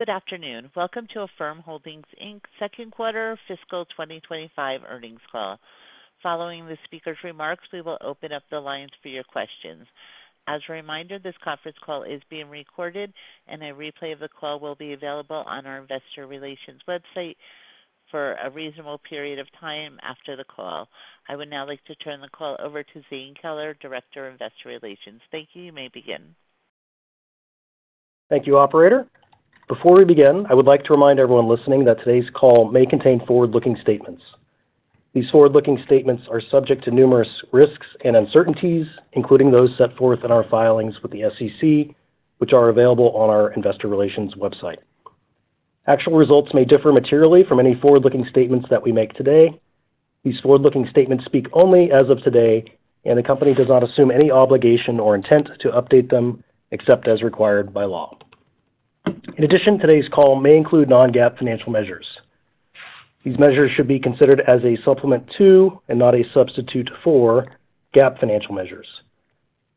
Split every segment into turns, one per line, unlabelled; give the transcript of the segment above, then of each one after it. Good afternoon. Welcome to Affirm Holdings Inc's Second Quarter Fiscal 2025 Earnings Call. Following the speaker's remarks, we will open up the lines for your questions. As a reminder, this conference call is being recorded, and a replay of the call will be available on our investor relations website for a reasonable period of time after the call. I would now like to turn the call over to Zane Keller, Director of Investor Relations. Thank you. You may begin.
Thank you, Operator. Before we begin, I would like to remind everyone listening that today's call may contain forward-looking statements. These forward-looking statements are subject to numerous risks and uncertainties, including those set forth in our filings with the SEC, which are available on our investor relations website. Actual results may differ materially from any forward-looking statements that we make today. These forward-looking statements speak only as of today, and the company does not assume any obligation or intent to update them except as required by law. In addition, today's call may include Non-GAAP financial measures. These measures should be considered as a supplement to and not a substitute for GAAP financial measures.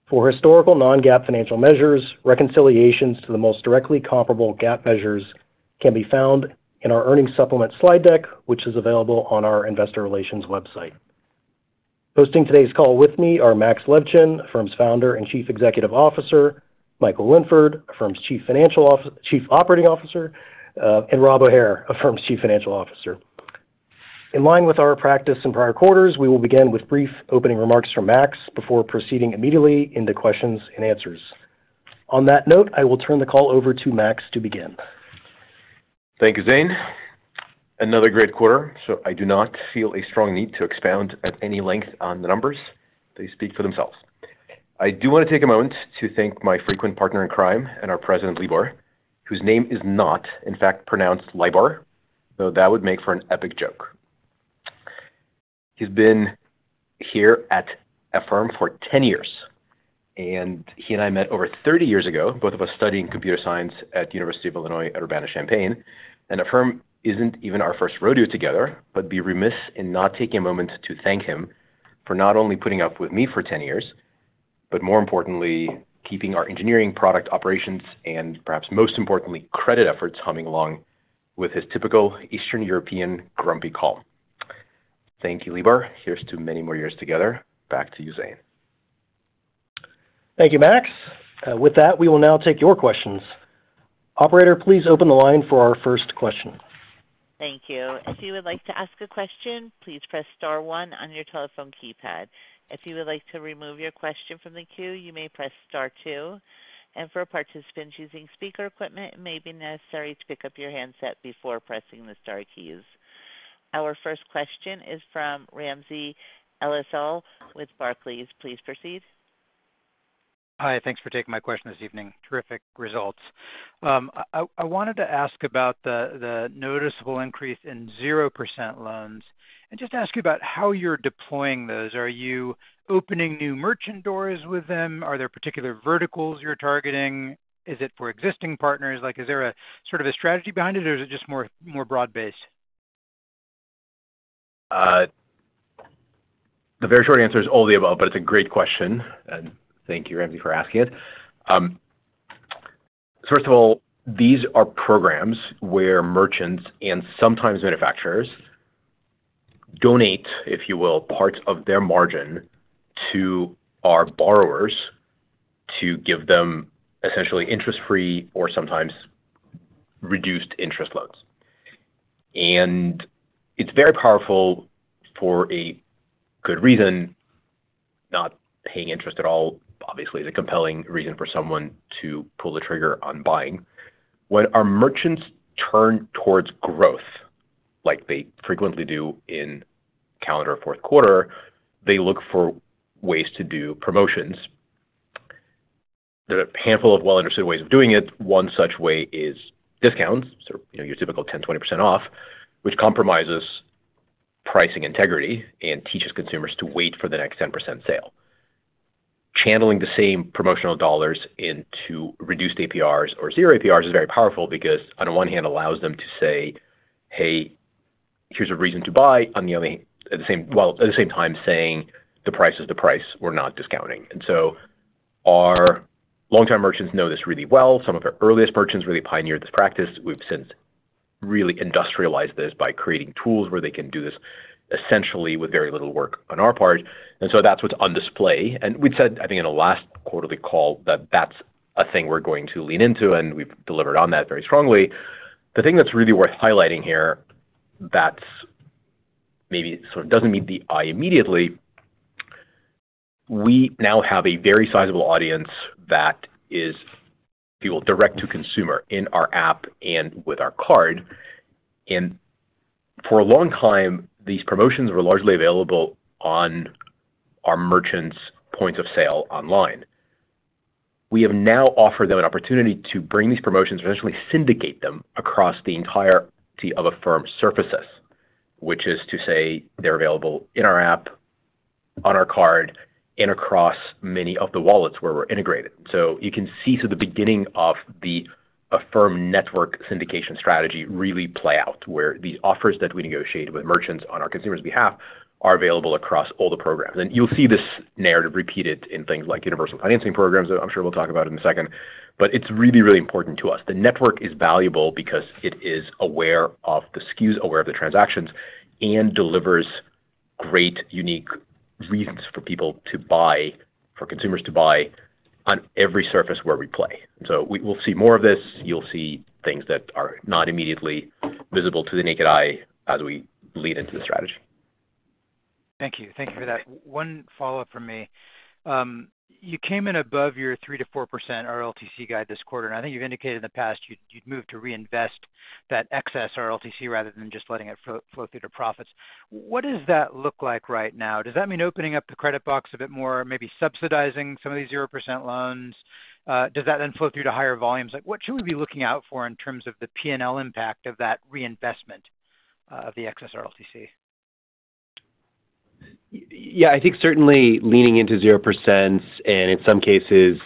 For historical Non-GAAP financial measures, reconciliations to the most directly comparable GAAP measures can be found in our earnings supplement slide deck, which is available on our investor relations website. Hosting today's call with me are Max Levchin, Affirm's founder and Chief Executive Officer, Michael Linford, Affirm's Chief Operating Officer, and Rob O'Hare, Affirm's Chief Financial Officer. In line with our practice in prior quarters, we will begin with brief opening remarks from Max before proceeding immediately into questions and answers. On that note, I will turn the call over to Max to begin.
Thank you, Zane. Another great quarter, so I do not feel a strong need to expound at any length on the numbers. They speak for themselves. I do want to take a moment to thank my frequent partner in crime and our President, Libor, whose name is not, in fact, pronounced Libor, though that would make for an epic joke. He's been here at Affirm for 10 years, and he and I met over 30 years ago, both of us studying computer science at the University of Illinois Urbana-Champaign. Affirm isn't even our first rodeo together, but I would be remiss in not taking a moment to thank him for not only putting up with me for 10 years, but more importantly, keeping our engineering product operations and, perhaps most importantly, credit efforts humming along with his typical Eastern European grumpy calm. Thank you, Libor. Here's to many more years together. Back to you, Zane.
Thank you, Max. With that, we will now take your questions. Operator, please open the line for our first question.
Thank you. If you would like to ask a question, please press star one on your telephone keypad. If you would like to remove your question from the queue, you may press star two. And for participants using speaker equipment, it may be necessary to pick up your handset before pressing the Star keys. Our first question is from Ramsey El-Assal with Barclays. Please proceed.
Hi. Thanks for taking my question this evening. Terrific results. I wanted to ask about the noticeable increase in 0% loans and just ask you about how you're deploying those. Are you opening new merchant doors with them? Are there particular verticals you're targeting? Is it for existing partners? Is there a sort of a strategy behind it, or is it just more broad-based?
The very short answer is all the above, but it's a great question, and thank you, Ramsey, for asking it. First of all, these are programs where merchants and sometimes manufacturers donate, if you will, part of their margin to our borrowers to give them essentially interest-free or sometimes reduced interest loans. And it's very powerful for a good reason. Not paying interest at all, obviously, is a compelling reason for someone to pull the trigger on buying. When our merchants turn towards growth, like they frequently do in calendar fourth quarter, they look for ways to do promotions. There are a handful of well-understood ways of doing it. One such way is discounts, your typical 10%, 20% off, which compromises pricing integrity and teaches consumers to wait for the next 10% sale. Channeling the same promotional dollars into reduced APRs or zero APRs is very powerful because, on the one hand, it allows them to say, hey, here's a reason to buy, while at the same time saying, the price is the price. We're not discounting. And so our longtime merchants know this really well. Some of our earliest merchants really pioneered this practice. We've since really industrialized this by creating tools where they can do this essentially with very little work on our part. And so that's what's on display. And we'd said, I think, in a last quarterly call that that's a thing we're going to lean into, and we've delivered on that very strongly. The thing that's really worth highlighting here that maybe sort of doesn't meet the eye immediately, we now have a very sizable audience that is, if you will, direct-to-consumer in our app and with our card, and for a long time, these promotions were largely available on our merchants' points of sale online. We have now offered them an opportunity to bring these promotions, essentially syndicate them across the entirety of Affirm's surfaces, which is to say they're available in our app, on our card, and across many of the wallets where we're integrated, so you can see the beginning of the Affirm network syndication strategy really play out, where the offers that we negotiate with merchants on our consumers' behalf are available across all the programs. And you'll see this narrative repeated in things like universal financing programs that I'm sure we'll talk about in a second, but it's really, really important to us. The network is valuable because it is aware of the SKUs, aware of the transactions, and delivers great, unique reasons for people to buy, for consumers to buy on every surface where we play. And so we'll see more of this. You'll see things that are not immediately visible to the naked eye as we lead into the strategy.
Thank you. Thank you for that. One follow-up from me. You came in above your 3%-4% RLTC guide this quarter, and I think you've indicated in the past you'd move to reinvest that excess RLTC rather than just letting it flow through to profits. What does that look like right now? Does that mean opening up the credit box a bit more, maybe subsidizing some of these 0% loans? Does that then flow through to higher volumes? What should we be looking out for in terms of the P&L impact of that reinvestment of the excess RLTC?
Yeah. I think certainly leaning into 0% and, in some cases,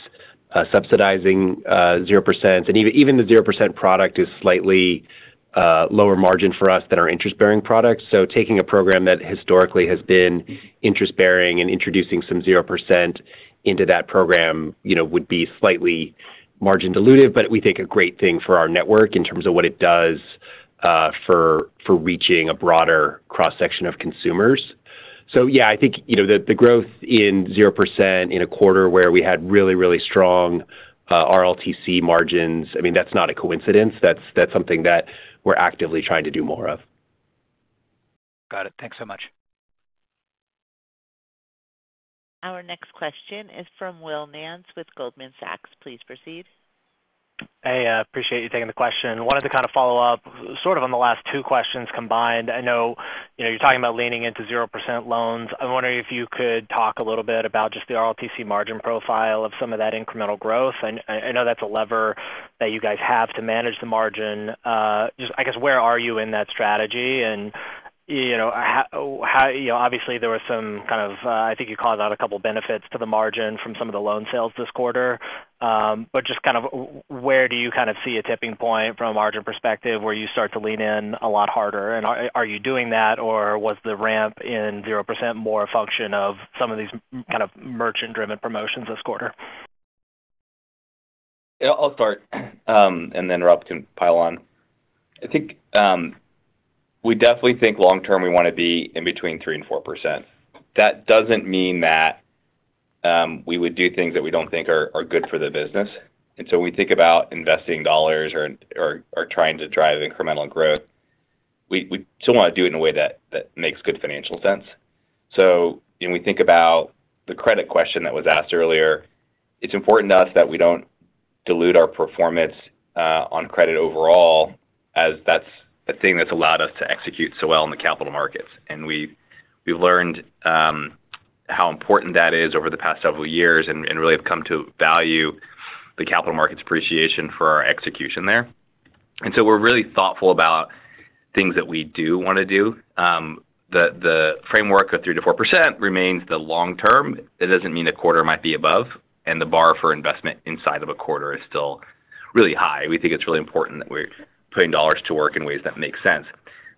subsidizing 0%, and even the 0% product is slightly lower margin for us than our interest-bearing product, so taking a program that historically has been interest-bearing and introducing some 0% into that program would be slightly margin-dilutive, but we think a great thing for our network in terms of what it does for reaching a broader cross-section of consumers, so yeah, I think the growth in 0% in a quarter where we had really, really strong RLTC margins, I mean, that's not a coincidence. That's something that we're actively trying to do more of.
Got it. Thanks so much.
Our next question is from Will Nance with Goldman Sachs. Please proceed.
Hey, I appreciate you taking the question. Wanted to kind of follow up sort of on the last two questions combined. I know you're talking about leaning into 0% loans. I'm wondering if you could talk a little bit about just the RLTC margin profile of some of that incremental growth. I know that's a lever that you guys have to manage the margin. Just, I guess, where are you in that strategy? And obviously, there were some kind of, I think you called out a couple of benefits to the margin from some of the loan sales this quarter. But just kind of where do you kind of see a tipping point from a margin perspective where you start to lean in a lot harder? And are you doing that, or was the ramp in 0% more a function of some of these kind of merchant-driven promotions this quarter?
I'll start, and then Rob can pile on. I think we definitely think long-term we want to be in between 3% and 4%. That doesn't mean that we would do things that we don't think are good for the business. And so when we think about investing dollars or trying to drive incremental growth, we still want to do it in a way that makes good financial sense. So when we think about the credit question that was asked earlier, it's important to us that we don't dilute our performance on credit overall, as that's a thing that's allowed us to execute so well in the capital markets. And we've learned how important that is over the past several years and really have come to value the capital markets appreciation for our execution there. And so we're really thoughtful about things that we do want to do. The framework of 3%-4% remains the long term. It doesn't mean a quarter might be above, and the bar for investment inside of a quarter is still really high. We think it's really important that we're putting dollars to work in ways that make sense.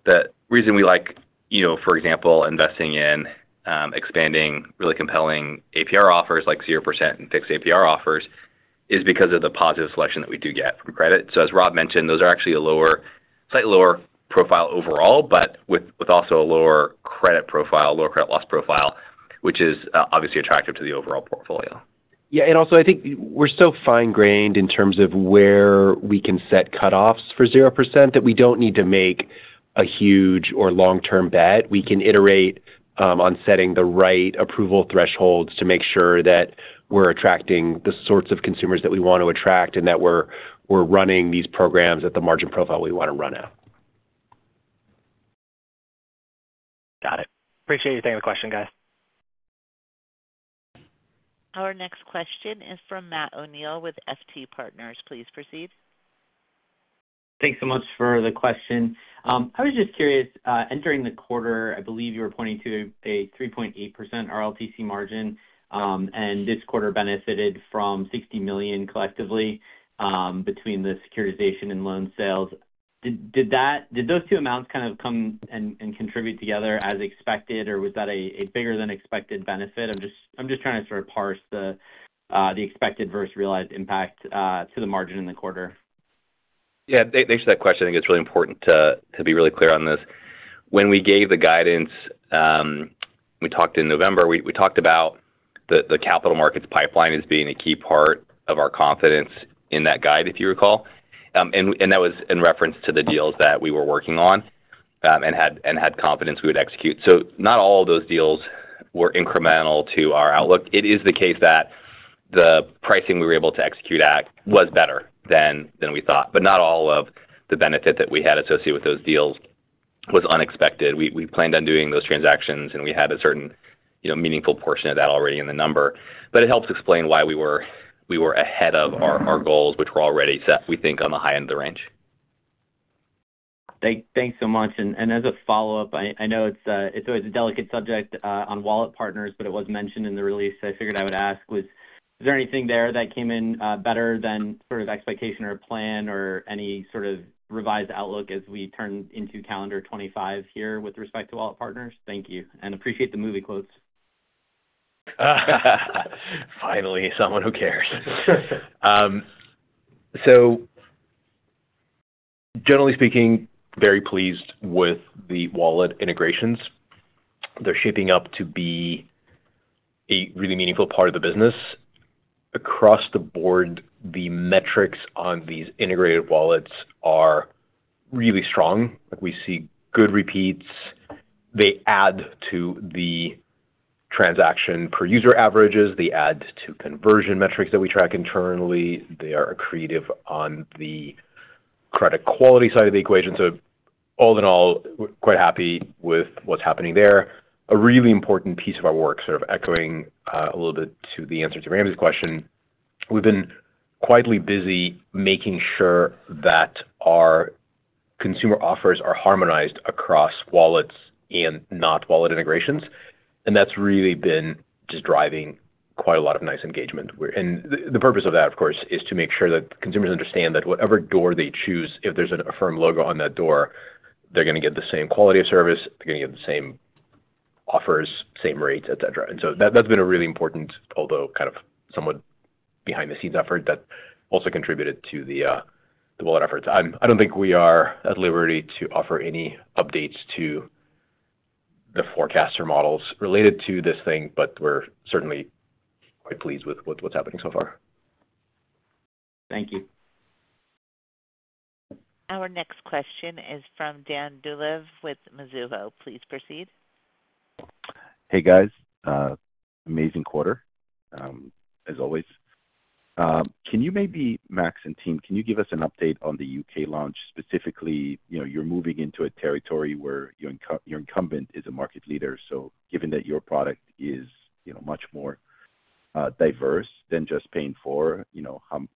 The reason we like, for example, investing in expanding really compelling APR offers like 0% and fixed APR offers is because of the positive selection that we do get from credit. So as Rob mentioned, those are actually a slightly lower profile overall, but with also a lower credit profile, lower credit loss profile, which is obviously attractive to the overall portfolio.
Yeah. And also, I think we're so fine-grained in terms of where we can set cutoffs for 0% that we don't need to make a huge or long-term bet. We can iterate on setting the right approval thresholds to make sure that we're attracting the sorts of consumers that we want to attract and that we're running these programs at the margin profile we want to run at.
Got it. Appreciate you taking the question, guys.
Our next question is from Matt O'Neill with FT Partners. Please proceed.
Thanks so much for the question. I was just curious, entering the quarter, I believe you were pointing to a 3.8% RLTC margin, and this quarter benefited from $60 million collectively between the securitization and loan sales. Did those two amounts kind of come and contribute together as expected, or was that a bigger-than-expected benefit? I'm just trying to sort of parse the expected versus realized impact to the margin in the quarter.
Yeah. Thanks for that question. I think it's really important to be really clear on this. When we gave the guidance, we talked in November, we talked about the capital markets pipeline as being a key part of our confidence in that guide, if you recall. And that was in reference to the deals that we were working on and had confidence we would execute. So not all of those deals were incremental to our outlook. It is the case that the pricing we were able to execute at was better than we thought, but not all of the benefit that we had associated with those deals was unexpected. We planned on doing those transactions, and we had a certain meaningful portion of that already in the number. But it helps explain why we were ahead of our goals, which were already set, we think, on the high end of the range.
Thanks so much. And as a follow-up, I know it's always a delicate subject on wallet partners, but it was mentioned in the release. I figured I would ask, was there anything there that came in better than sort of expectation or plan or any sort of revised outlook as we turn into calendar 2025 here with respect to wallet partners? Thank you. And appreciate the movie quotes.
Finally, someone who cares. So generally speaking, very pleased with the wallet integrations. They're shaping up to be a really meaningful part of the business. Across the board, the metrics on these integrated wallets are really strong. We see good repeats. They add to the transaction per user averages. They add to conversion metrics that we track internally. They are accretive on the credit quality side of the equation. So all in all, quite happy with what's happening there. A really important piece of our work, sort of echoing a little bit to the answer to Ramsey's question, we've been quietly busy making sure that our consumer offers are harmonized across wallets and not wallet integrations, and that's really been just driving quite a lot of nice engagement. And the purpose of that, of course, is to make sure that consumers understand that whatever door they choose, if there's an Affirm logo on that door, they're going to get the same quality of service. They're going to get the same offers, same rates, etc. And so that's been a really important, although kind of somewhat behind-the-scenes effort that also contributed to the wallet efforts. I don't think we are at liberty to offer any updates to the forecaster models related to this thing, but we're certainly quite pleased with what's happening so far.
Thank you.
Our next question is from Dan Dolev with Mizuho. Please proceed.
Hey, guys. Amazing quarter, as always. Can you maybe, Max and team, can you give us an update on the U.K. launch? Specifically, you're moving into a territory where your incumbent is a market leader. So given that your product is much more diverse than just paying for,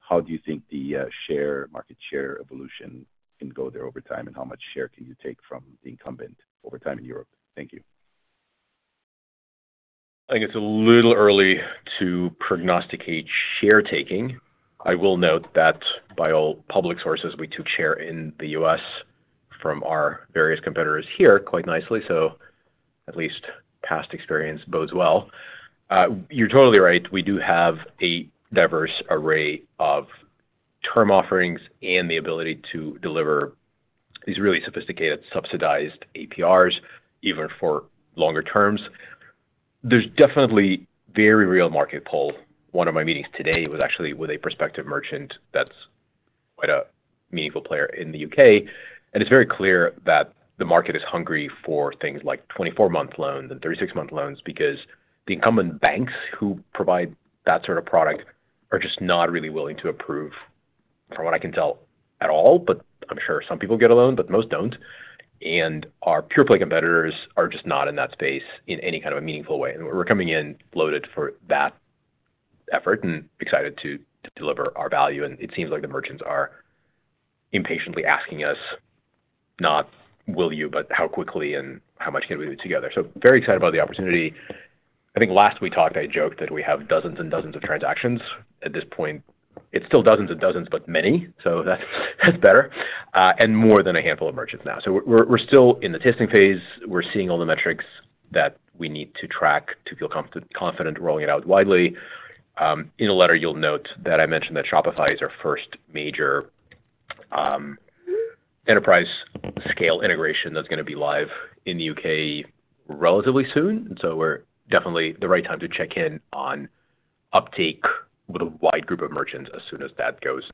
how do you think the market share evolution can go there over time, and how much share can you take from the incumbent over time in Europe? Thank you.
I think it's a little early to prognosticate share-taking. I will note that by all public sources, we took share in the U.S. from our various competitors here quite nicely. So at least past experience bodes well. You're totally right. We do have a diverse array of term offerings and the ability to deliver these really sophisticated subsidized APRs, even for longer terms. There's definitely very real market pull. One of my meetings today was actually with a prospective merchant that's quite a meaningful player in the U.K. and it's very clear that the market is hungry for things like 24-month loans and 36-month loans because the incumbent banks who provide that sort of product are just not really willing to approve, from what I can tell, at all. But I'm sure some people get a loan, but most don't. And our pure-play competitors are just not in that space in any kind of a meaningful way. And we're coming in loaded for that effort and excited to deliver our value. And it seems like the merchants are impatiently asking us, not, will you?" but, how quickly? and, how much can we do together? So very excited about the opportunity. I think last we talked, I joked that we have dozens and dozens of transactions. At this point, it's still dozens and dozens, but many. So that's better. And more than a handful of merchants now. So we're still in the testing phase. We're seeing all the metrics that we need to track to feel confident rolling it out widely. In a letter, you'll note that I mentioned that Shopify is our first major enterprise-scale integration that's going to be live in the U.K. relatively soon. We're definitely the right time to check in on uptake with a wide group of merchants as soon as that goes.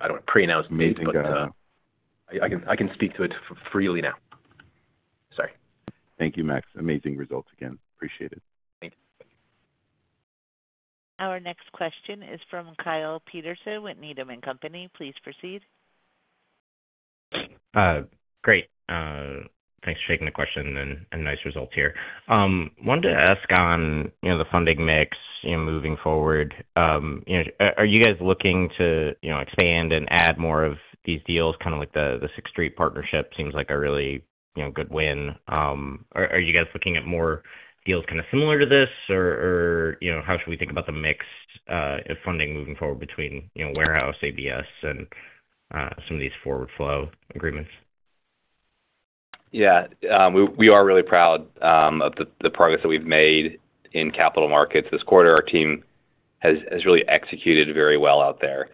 I don't want to pre-announce anything, but I can speak to it freely now. Sorry.
Thank you, Max. Amazing results again. Appreciate it.
Thank you.
Our next question is from Kyle Peterson with Needham & Company. Please proceed.
Great. Thanks for taking the question and nice results here. Wanted to ask on the funding mix moving forward. Are you guys looking to expand and add more of these deals? Kind of like the Sixth Street partnership seems like a really good win. Are you guys looking at more deals kind of similar to this, or how should we think about the mix of funding moving forward between warehouse, ABS, and some of these forward-flow agreements?
Yeah. We are really proud of the progress that we've made in capital markets this quarter. Our team has really executed very well out there.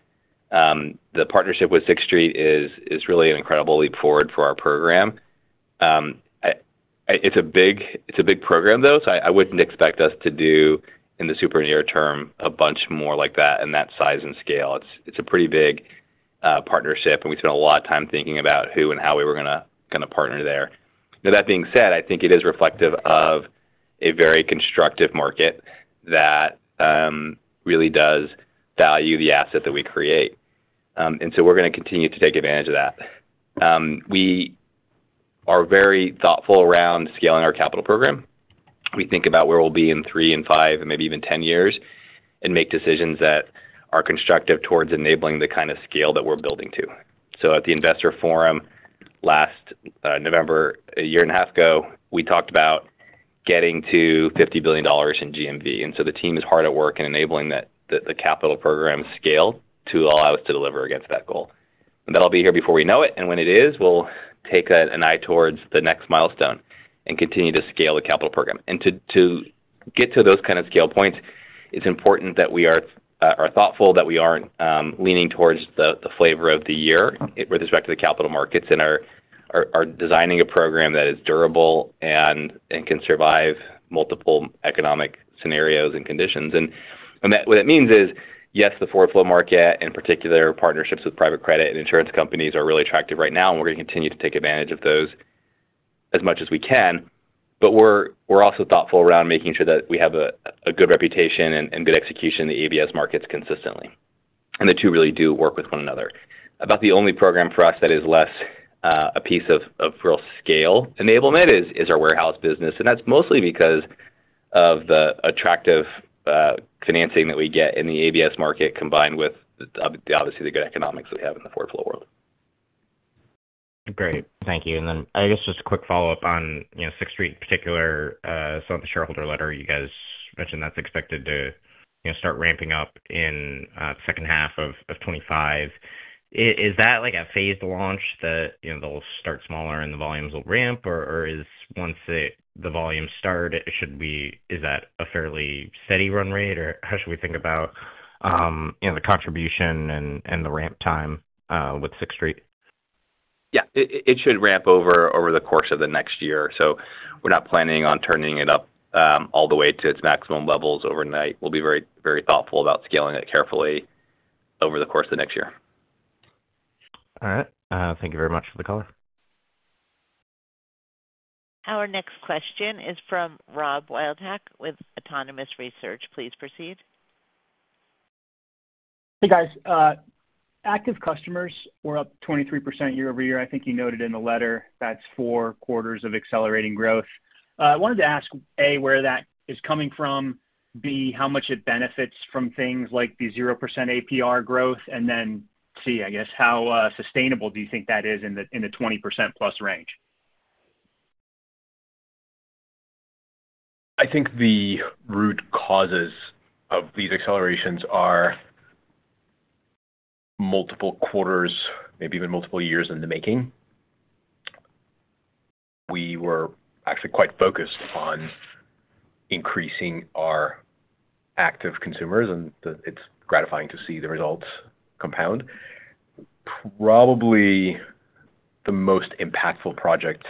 The partnership with Sixth Street is really an incredible leap forward for our program. It's a big program, though, so I wouldn't expect us to do, in the super near term, a bunch more like that in that size and scale. It's a pretty big partnership, and we spent a lot of time thinking about who and how we were going to partner there. Now, that being said, I think it is reflective of a very constructive market that really does value the asset that we create, and so we're going to continue to take advantage of that. We are very thoughtful around scaling our capital program. We think about where we'll be in three and five and maybe even 10 years and make decisions that are constructive towards enabling the kind of scale that we're building to. So at the Investor Forum last November, a year and a half ago, we talked about getting to $50 billion in GMV. And so the team is hard at work in enabling the capital program scale to allow us to deliver against that goal. And that'll be here before we know it. And when it is, we'll take an eye towards the next milestone and continue to scale the capital program. And to get to those kind of scale points, it's important that we are thoughtful that we aren't leaning towards the flavor of the year with respect to the capital markets and are designing a program that is durable and can survive multiple economic scenarios and conditions. And what that means is, yes, the forward-flow market, in particular, partnerships with private credit and insurance companies are really attractive right now, and we're going to continue to take advantage of those as much as we can. But we're also thoughtful around making sure that we have a good reputation and good execution in the ABS markets consistently. And the two really do work with one another. About the only program for us that is less a piece of real scale enablement is our warehouse business. And that's mostly because of the attractive financing that we get in the ABS market combined with, obviously, the good economics we have in the forward-flow world.
Great. Thank you. And then I guess just a quick follow-up on Sixth Street in particular. So in the shareholder letter, you guys mentioned that's expected to start ramping up in the second half of 2025. Is that like a phased launch that they'll start smaller and the volumes will ramp, or once the volumes start, is that a fairly steady run rate, or how should we think about the contribution and the ramp time with Sixth Street?
Yeah. It should ramp over the course of the next year. So we're not planning on turning it up all the way to its maximum levels overnight. We'll be very thoughtful about scaling it carefully over the course of the next year.
All right. Thank you very much for the call.
Our next question is from Rob Wildhack with Autonomous Research. Please proceed.
Hey, guys. Active customers were up 23% year-over-year. I think you noted in the letter that's four quarters of accelerating growth. I wanted to ask, A, where that is coming from, B, how much it benefits from things like the 0% APR growth, and then C, I guess, how sustainable do you think that is in the 20%+ range?
I think the root causes of these accelerations are multiple quarters, maybe even multiple years in the making. We were actually quite focused on increasing our active consumers, and it's gratifying to see the results compound. Probably the most impactful projects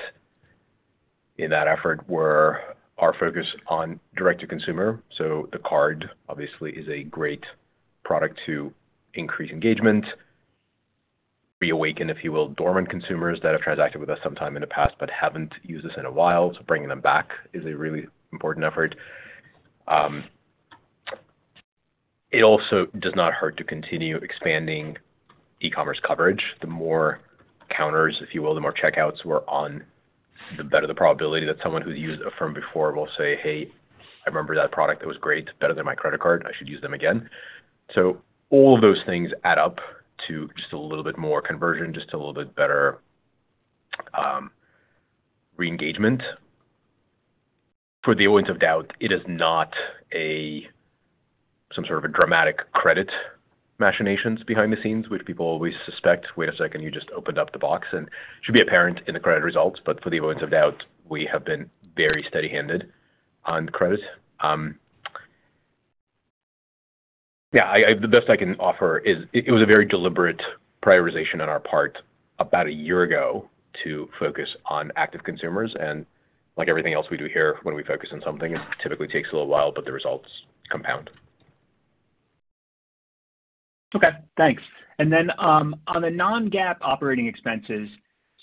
in that effort were our focus on direct-to-consumer. So the card, obviously, is a great product to increase engagement, reawaken, if you will, dormant consumers that have transacted with us sometime in the past but haven't used us in a while. So bringing them back is a really important effort. It also does not hurt to continue expanding e-commerce coverage. The more counters, if you will, the more checkouts we're on, the better the probability that someone who's used Affirm before will say, hey, I remember that product that was great, better than my credit card. I should use them again. So all of those things add up to just a little bit more conversion, just a little bit better reengagement. For the avoidance of doubt, it is not some sort of a dramatic credit machinations behind the scenes, which people always suspect, wait a second, you just opened up the box. And it should be apparent in the credit results, but for the avoidance of doubt, we have been very steady-handed on credit. Yeah. The best I can offer is it was a very deliberate prioritization on our part about a year ago to focus on active consumers. And like everything else we do here, when we focus on something, it typically takes a little while, but the results compound.
Okay. Thanks. And then on the non-GAAP operating expenses,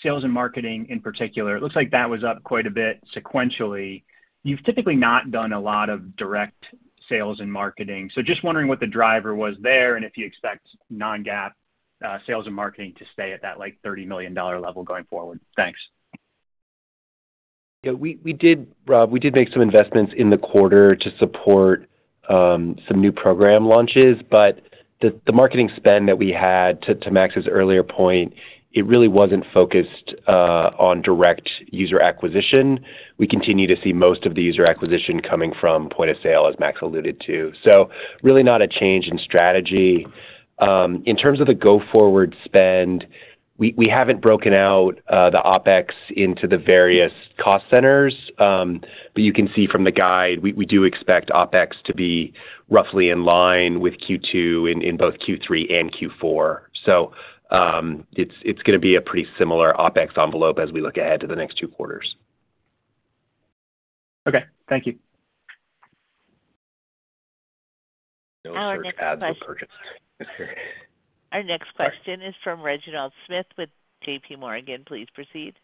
sales and marketing in particular, it looks like that was up quite a bit sequentially. You've typically not done a lot of direct sales and marketing. So just wondering what the driver was there and if you expect non-GAAP sales and marketing to stay at that $30 million level going forward. Thanks.
Yeah. We did, Rob, we did make some investments in the quarter to support some new program launches. But the marketing spend that we had, to Max's earlier point, it really wasn't focused on direct user acquisition. We continue to see most of the user acquisition coming from point of sale, as Max alluded to. So really not a change in strategy. In terms of the go-forward spend, we haven't broken out the OpEx into the various cost centers. But you can see from the guide, we do expect OpEx to be roughly in line with Q2 in both Q3 and Q4. So it's going to be a pretty similar OpEx envelope as we look ahead to the next two quarters.
Okay. Thank you.
That was just ads and purchase.
Our next question is from Reginald Smith with JPMorgan. Please proceed.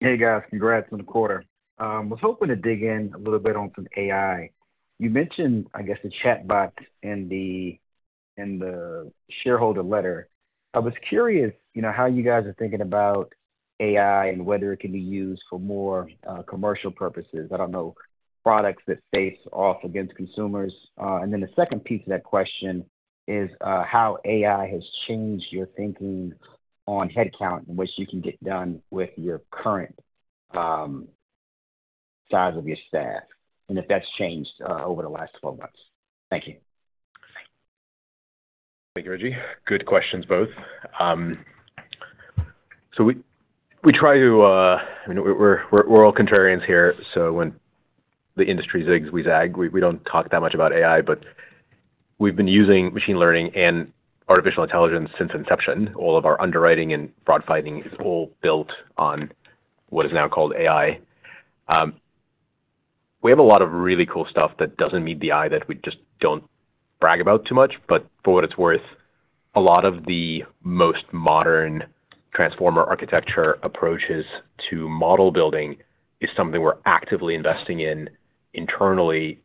Hey, guys. Congrats on the quarter. I was hoping to dig in a little bit on some AI. You mentioned, I guess, the chatbot in the shareholder letter. I was curious how you guys are thinking about AI and whether it can be used for more commercial purposes. I don't know, products that face off against consumers. And then the second piece of that question is how AI has changed your thinking on headcount, which you can get done with your current size of your staff, and if that's changed over the last 12 months. Thank you.
Thank you, Reggie. Good questions, both. So we try to, I mean, we're all contrarians here. So when the industry zigs, we zags, we don't talk that much about AI. But we've been using machine learning and artificial intelligence since inception. All of our underwriting and fraud fighting is all built on what is now called AI. We have a lot of really cool stuff that doesn't meet the eye that we just don't brag about too much. But for what it's worth, a lot of the most modern transformer architecture approaches to model building is something we're actively investing in internally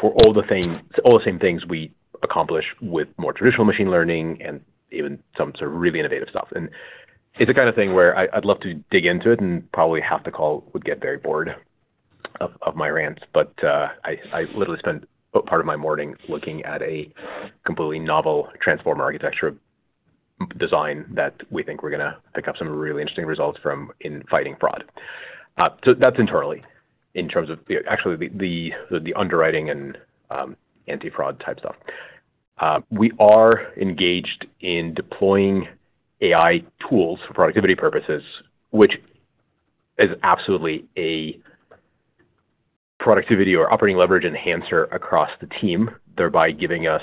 for all the same things we accomplish with more traditional machine learning and even some sort of really innovative stuff. And it's the kind of thing where I'd love to dig into it and probably half the call would get very bored of my rants. But I literally spent part of my morning looking at a completely novel transformer architecture design that we think we're going to pick up some really interesting results from in fighting fraud. So that's internally, in terms of actually the underwriting and anti-fraud type stuff. We are engaged in deploying AI tools for productivity purposes, which is absolutely a productivity or operating leverage enhancer across the team, thereby giving us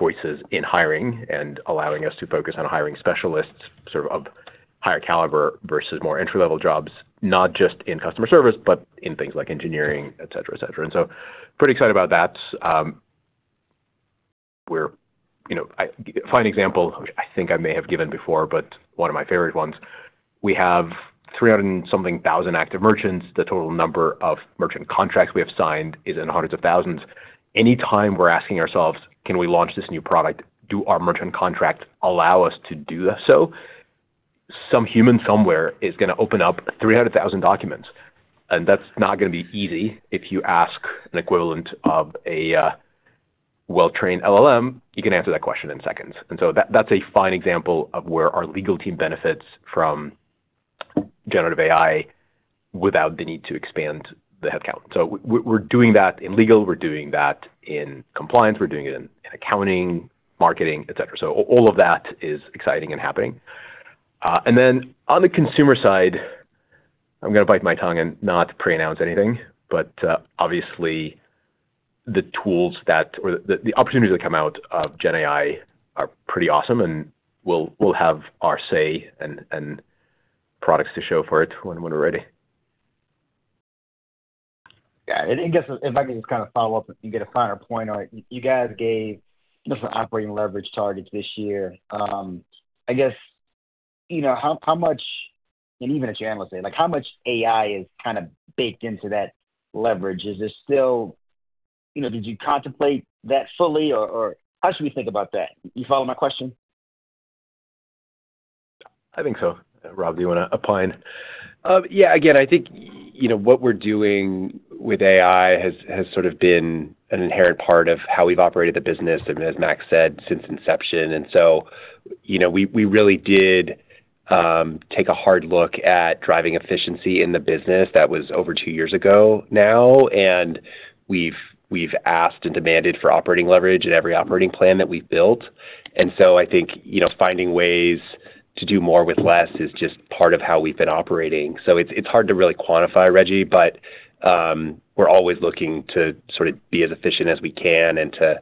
choices in hiring and allowing us to focus on hiring specialists sort of of higher caliber versus more entry-level jobs, not just in customer service, but in things like engineering, etc. and so, pretty excited about that. We're a fine example which I think I may have given before, but one of my favorite ones. We have 300-and-something thousand active merchants. The total number of merchant contracts we have signed is in the hundreds of thousands. Anytime we're asking ourselves, can we launch this new product? Do our merchant contract allow us to do so? some human somewhere is going to open up 300,000 documents. And that's not going to be easy. If you ask an equivalent of a well-trained LLM, you can answer that question in seconds. And so that's a fine example of where our legal team benefits from generative AI without the need to expand the headcount. So we're doing that in legal. We're doing that in compliance. We're doing it in accounting, marketing, etc. So all of that is exciting and happening. And then on the consumer side, I'm going to bite my tongue and not pre-announce anything. But obviously, the tools that or the opportunities that come out of GenAI are pretty awesome, and we'll have our say and products to show for it when we're ready.
Yeah. And I guess if I can just kind of follow up, if you get a finer point on it, you guys gave some operating leverage targets this year. I guess how much, and even at steady state, how much AI is kind of baked into that leverage? Is there still, did you contemplate that fully, or how should we think about that? You follow my question?
I think so. Rob, do you want to opine?
Yeah. Again, I think what we're doing with AI has sort of been an inherent part of how we've operated the business, as Max said, since inception. And so we really did take a hard look at driving efficiency in the business. That was over two years ago now. And we've asked and demanded for operating leverage in every operating plan that we've built. And so I think finding ways to do more with less is just part of how we've been operating. So it's hard to really quantify, Reggie, but we're always looking to sort of be as efficient as we can and to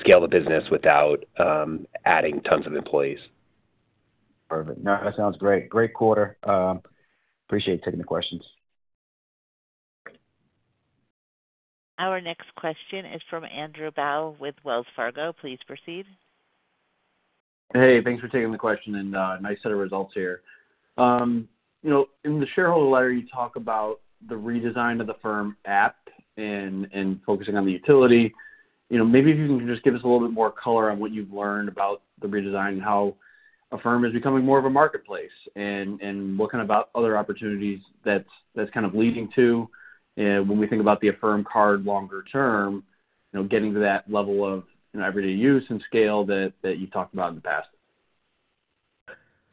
scale the business without adding tons of employees.
Perfect. No, that sounds great. Great quarter. Appreciate taking the questions.
Our next question is from Andrew Bauch with Wells Fargo. Please proceed.
Hey, thanks for taking the question and nice set of results here. In the shareholder letter, you talk about the redesign of the Affirm app and focusing on the utility. Maybe if you can just give us a little bit more color on what you've learned about the redesign and how Affirm is becoming more of a marketplace and what kind of other opportunities that's kind of leading to when we think about the Affirm Card longer term, getting to that level of everyday use and scale that you've talked about in the past.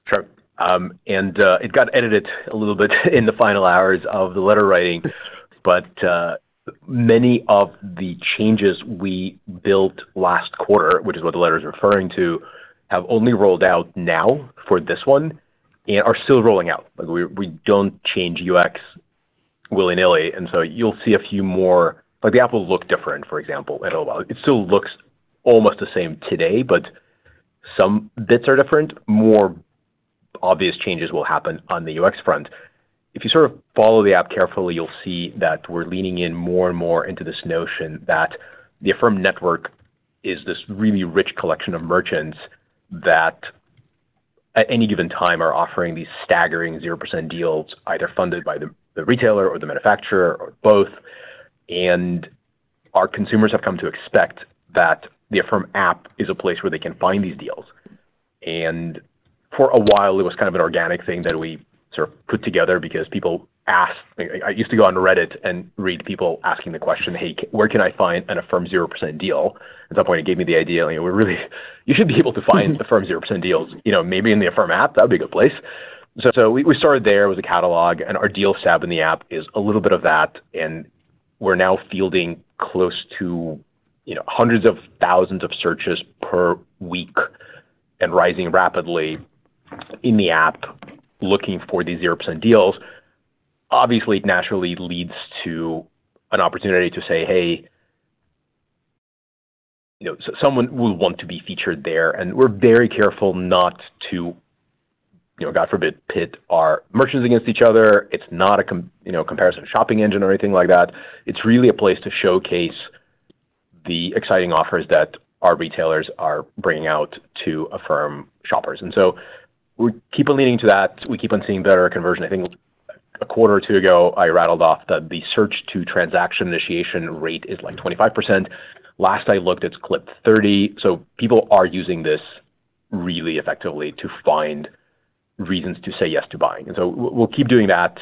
Sure. And it got edited a little bit in the final hours of the letter writing. But many of the changes we built last quarter, which is what the letter is referring to, have only rolled out now for this one and are still rolling out. We don't change UX willy-nilly. And so you'll see a few more, the app will look different, for example, in a while. It still looks almost the same today, but some bits are different. More obvious changes will happen on the UX front. If you sort of follow the app carefully, you'll see that we're leaning in more and more into this notion that the Affirm Network is this really rich collection of merchants that, at any given time, are offering these staggering 0% deals, either funded by the retailer or the manufacturer or both. Our consumers have come to expect that the Affirm App is a place where they can find these deals. For a while, it was kind of an organic thing that we sort of put together because people asked. I used to go on Reddit and read people asking the question, hey, where can I find an Affirm 0% deal? At that point, it gave me the idea. We're really. You should be able to find Affirm 0% deals, maybe in the Affirm App. That would be a good place. We started there with a catalog, and our deals tab in the app is a little bit of that. We're now fielding close to hundreds of thousands of searches per week and rising rapidly in the app looking for these 0% deals. Obviously, it naturally leads to an opportunity to say, "Hey, someone will want to be featured there," and we're very careful not to, God forbid, pit our merchants against each other. It's not a comparison shopping engine or anything like that. It's really a place to showcase the exciting offers that our retailers are bringing out to Affirm shoppers, and so we're keeping leaning to that. We keep on seeing better conversion. I think a quarter or two ago, I rattled off that the search-to-transaction initiation rate is like 25%. Last I looked, it's clipped 30%. So people are using this really effectively to find reasons to say yes to buying, and so we'll keep doing that.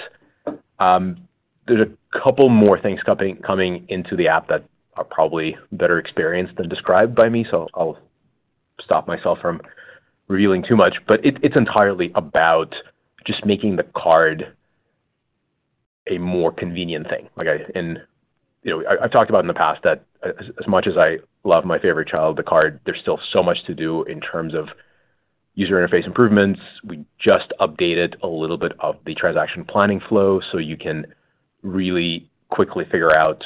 There's a couple more things coming into the app that are probably better experienced than described by me, so I'll stop myself from revealing too much. But it's entirely about just making the card a more convenient thing. And I've talked about in the past that as much as I love my favorite child, the card, there's still so much to do in terms of user interface improvements. We just updated a little bit of the transaction planning flow so you can really quickly figure out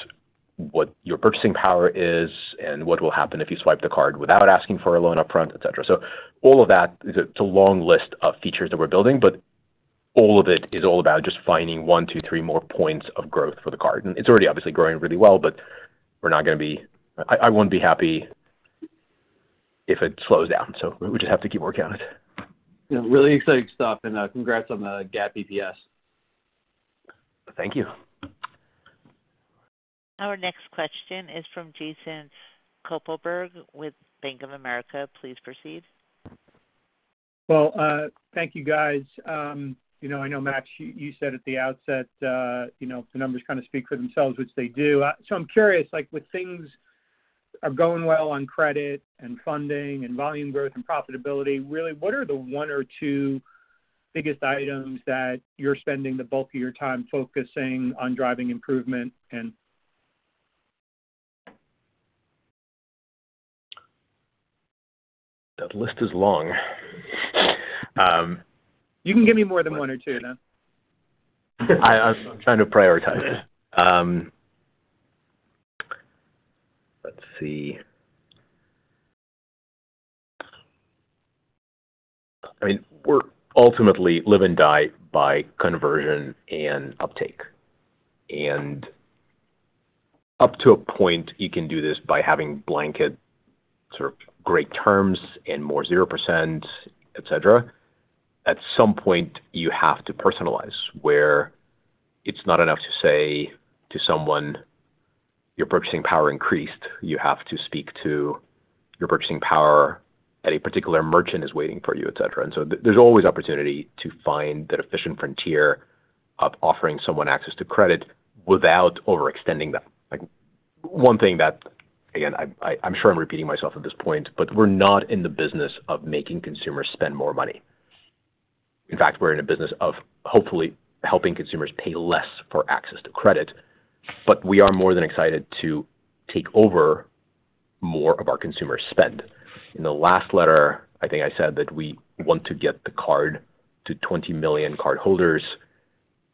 what your purchasing power is and what will happen if you swipe the card without asking for a loan upfront, etc. So all of that, it's a long list of features that we're building. But all of it is all about just finding one, two, three more points of growth for the card. And it's already obviously growing really well, but we're not going to be. I won't be happy if it slows down. So we just have to keep working on it.
Yeah. Really exciting stuff, and congrats on the GAAP EPS.
Thank you.
Our next question is from Jason Kupferberg with Bank of America. Please proceed.
Thank you, guys. I know, Max, you said at the outset, the numbers kind of speak for themselves, which they do. I'm curious, with things going well on credit and funding and volume growth and profitability, really, what are the one or two biggest items that you're spending the bulk of your time focusing on driving improvement in?
That list is long.
You can give me more than one or two, though.
I'm trying to prioritize it. Let's see. I mean, we're ultimately live and die by conversion and uptake, and up to a point, you can do this by having blanket sort of great terms and more 0%, etc. At some point, you have to personalize, where it's not enough to say to someone, your purchasing power increased. You have to speak to, your purchasing power at a particular merchant is waiting for you, etc., and so there's always opportunity to find that efficient frontier of offering someone access to credit without overextending them. One thing that, again, I'm sure I'm repeating myself at this point, but we're not in the business of making consumers spend more money. In fact, we're in a business of hopefully helping consumers pay less for access to credit, but we are more than excited to take over more of our consumer spend. In the last letter, I think I said that we want to get the card to 20 million cardholders,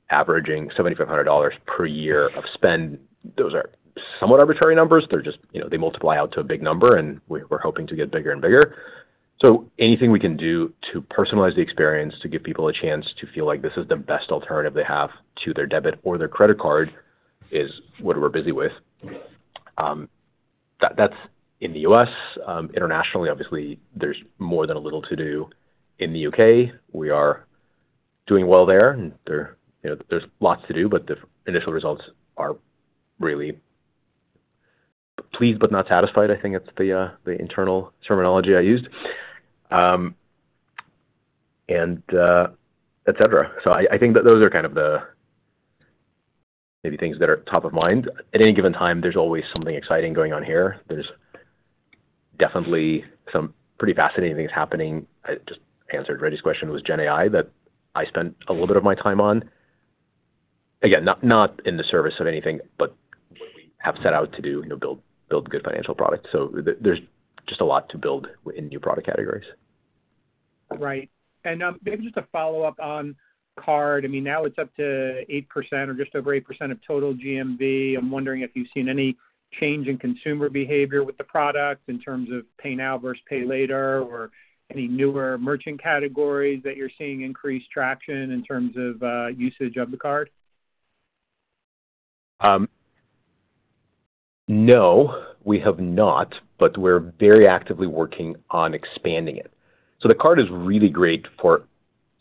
averaging $7,500 per year of spend. Those are somewhat arbitrary numbers. They multiply out to a big number, and we're hoping to get bigger and bigger. So anything we can do to personalize the experience to give people a chance to feel like this is the best alternative they have to their debit or their credit card is what we're busy with. That's in the U.S. Internationally, obviously, there's more than a little to do. In the U.K., we are doing well there. There's lots to do, but the initial results are really pleased but not satisfied, I think is the internal terminology I used, etc. So I think that those are kind of the maybe things that are top of mind. At any given time, there's always something exciting going on here. There's definitely some pretty fascinating things happening. I just answered Reggie's question was GenAI that I spent a little bit of my time on. Again, not in the service of anything, but what we have set out to do, build good financial products, so there's just a lot to build in new product categories.
Right. And maybe just a follow-up on card. I mean, now it's up to 8% or just over 8% of total GMV. I'm wondering if you've seen any change in consumer behavior with the product in terms of pay now versus pay later or any newer merchant categories that you're seeing increase traction in terms of usage of the card?
No, we have not, but we're very actively working on expanding it. So the card is really great for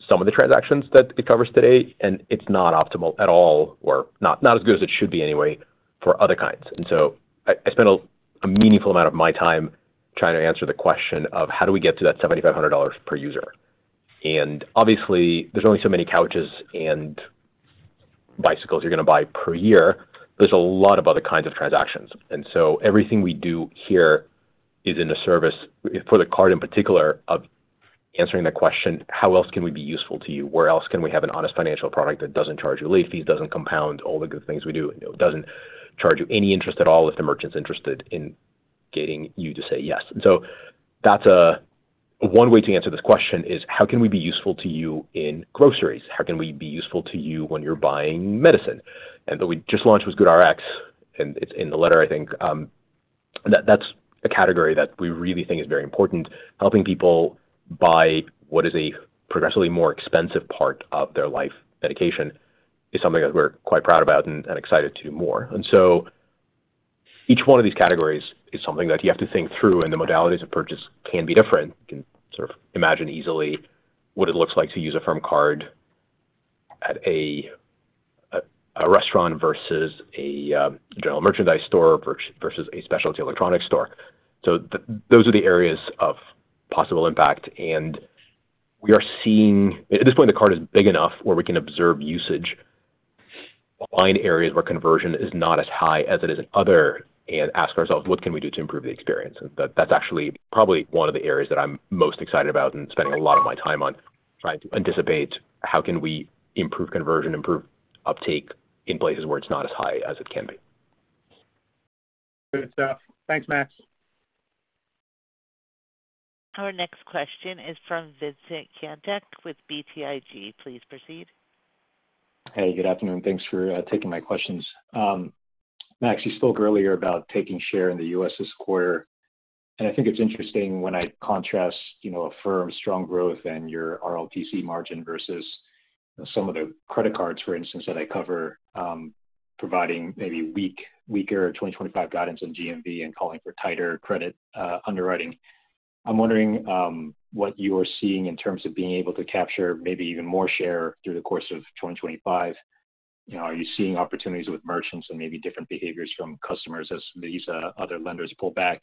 some of the transactions that it covers today, and it's not optimal at all or not as good as it should be anyway for other kinds. And so I spent a meaningful amount of my time trying to answer the question of, how do we get to that $7,500 per user? And obviously, there's only so many couches and bicycles you're going to buy per year. There's a lot of other kinds of transactions. And so everything we do here is in the service for the card in particular of answering the question, how else can we be useful to you? Where else can we have an honest financial product that doesn't charge you late fees, doesn't compound all the good things we do, doesn't charge you any interest at all if the merchant's interested in getting you to say yes? And so that's one way to answer this question is, how can we be useful to you in groceries? How can we be useful to you when you're buying medicine? And we just launched with GoodRx, and it's in the letter, I think. That's a category that we really think is very important. Helping people buy what is a progressively more expensive part of their life, medication, is something that we're quite proud about and excited to do more. And so each one of these categories is something that you have to think through, and the modalities of purchase can be different. You can sort of imagine easily what it looks like to use Affirm Card at a restaurant versus a general merchandise store versus a specialty electronics store. So those are the areas of possible impact. And we are seeing at this point, the card is big enough where we can observe usage, find areas where conversion is not as high as it is in other, and ask ourselves, what can we do to improve the experience? And that's actually probably one of the areas that I'm most excited about and spending a lot of my time on trying to anticipate how can we improve conversion, improve uptake in places where it's not as high as it can be.
Good stuff. Thanks, Max.
Our next question is from Vincent Caintic with BTIG. Please proceed.
Hey, good afternoon. Thanks for taking my questions. Max, you spoke earlier about taking share in the U.S. this quarter. And I think it's interesting when I contrast Affirm's strong growth and your RLTC margin versus some of the credit cards, for instance, that I cover, providing maybe weaker 2025 guidance on GMV and calling for tighter credit underwriting. I'm wondering what you are seeing in terms of being able to capture maybe even more share through the course of 2025. Are you seeing opportunities with merchants and maybe different behaviors from customers as these other lenders pull back?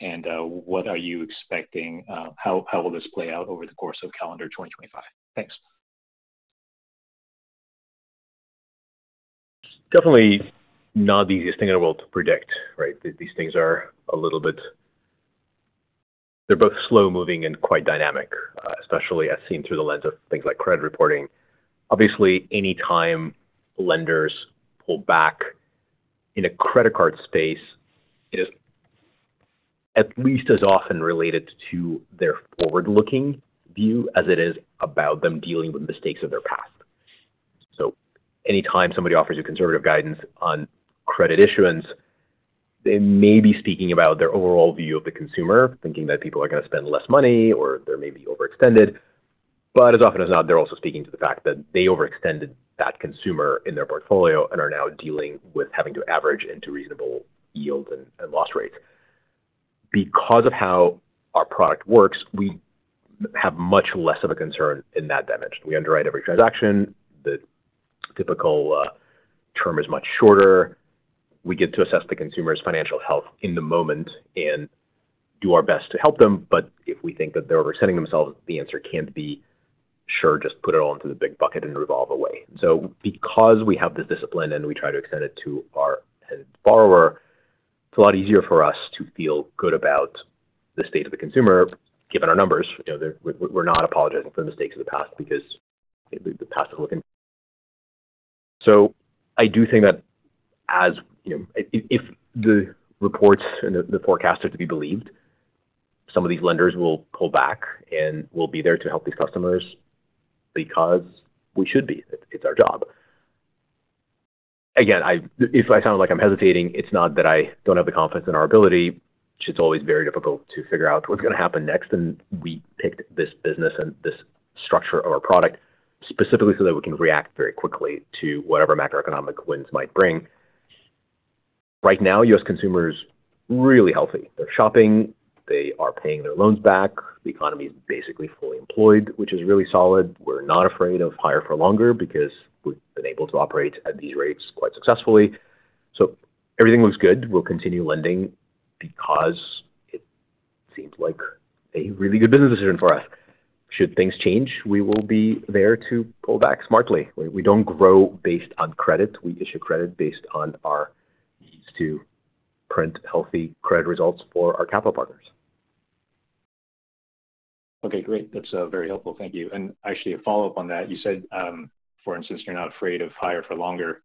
And what are you expecting? How will this play out over the course of calendar 2025? Thanks.
Definitely not the easiest thing in the world to predict, right? These things are a little bit, they're both slow-moving and quite dynamic, especially as seen through the lens of things like credit reporting. Obviously, any time lenders pull back in a credit card space, it is at least as often related to their forward-looking view as it is about them dealing with mistakes of their past. So any time somebody offers you conservative guidance on credit issuance, they may be speaking about their overall view of the consumer, thinking that people are going to spend less money or they're maybe overextended. But as often as not, they're also speaking to the fact that they overextended that consumer in their portfolio and are now dealing with having to average into reasonable yields and loss rates. Because of how our product works, we have much less of a concern in that dimension. We underwrite every transaction. The typical term is much shorter. We get to assess the consumer's financial health in the moment and do our best to help them. But if we think that they're overselling themselves, the answer can't be, sure, just put it all into the big bucket and revolve away. And so because we have this discipline and we try to extend it to our end borrower, it's a lot easier for us to feel good about the state of the consumer, given our numbers. We're not apologizing for the mistakes of the past because the past is looking. So I do think that if the reports and the forecasts are to be believed, some of these lenders will pull back and will be there to help these customers because we should be. It's our job. Again, if I sound like I'm hesitating, it's not that I don't have the confidence in our ability. It's always very difficult to figure out what's going to happen next, and we picked this business and this structure of our product specifically so that we can react very quickly to whatever macroeconomic winds might bring. Right now, U.S. consumers are really healthy. They're shopping. They are paying their loans back. The economy is basically fully employed, which is really solid. We're not afraid of higher for longer because we've been able to operate at these rates quite successfully, so everything looks good. We'll continue lending because it seems like a really good business decision for us. Should things change, we will be there to pull back smartly. We don't grow based on credit. We issue credit based on our needs to print healthy credit results for our capital partners.
Okay. Great. That's very helpful. Thank you. And actually, a follow-up on that. You said, for instance, you're not afraid of higher for longer.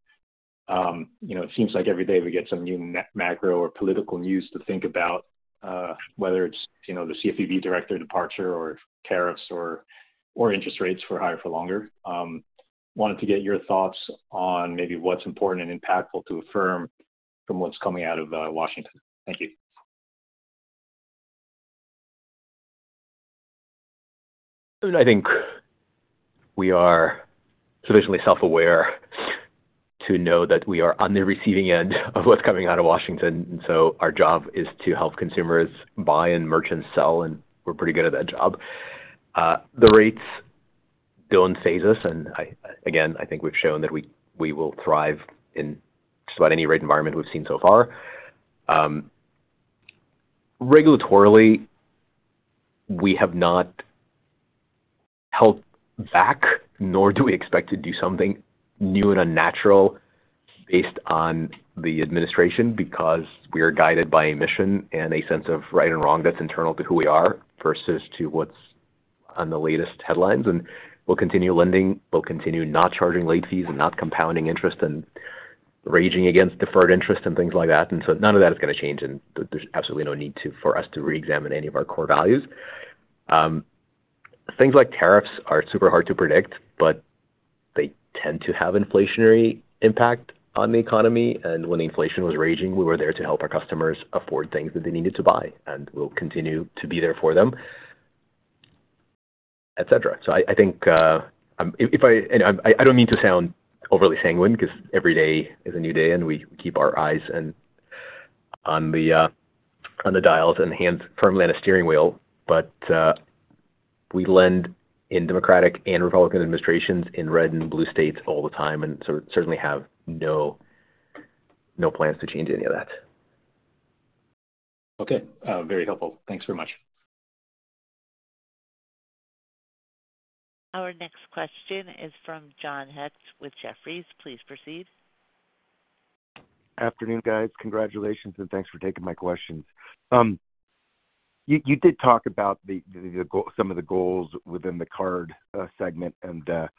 It seems like every day we get some new macro or political news to think about, whether it's the CFPB director departure or tariffs or interest rates for higher for longer. Wanted to get your thoughts on maybe what's important and impactful to Affirm from what's coming out of Washington. Thank you.
I mean, I think we are sufficiently self-aware to know that we are on the receiving end of what's coming out of Washington, and so our job is to help consumers buy and merch and sell, and we're pretty good at that job. The rates don't faze us, and again, I think we've shown that we will thrive in just about any rate environment we've seen so far. Regulatorily, we have not held back, nor do we expect to do something new and unnatural based on the administration because we are guided by a mission and a sense of right and wrong that's internal to who we are versus to what's on the latest headlines, and we'll continue lending. We'll continue not charging late fees and not compounding interest and raging against deferred interest and things like that. And so none of that is going to change, and there's absolutely no need for us to re-examine any of our core values. Things like tariffs are super hard to predict, but they tend to have inflationary impact on the economy. And when the inflation was raging, we were there to help our customers afford things that they needed to buy, and we'll continue to be there for them, etc. So I think I don't mean to sound overly sanguine because every day is a new day, and we keep our eyes on the dials and hands firmly on the steering wheel. But we lend in Democratic and Republican administrations in red and blue states all the time and certainly have no plans to change any of that.
Okay. Very helpful. Thanks very much.
Our next question is from John Hecht with Jefferies. Please proceed.
Afternoon, guys. Congratulations, and thanks for taking my questions. You did talk about some of the goals within the card segment. But